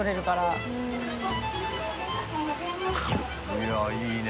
いやっいいね。